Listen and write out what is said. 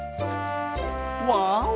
わお！